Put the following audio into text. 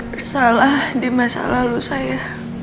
bersalah di masa lalu saya